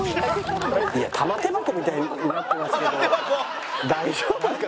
玉手箱みたいになってますけど大丈夫ですか？